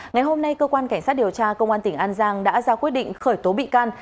ngày hôm nay cơ quan cảnh sát điều tra công an tỉnh an giang đã ra quyết định khởi tố bị can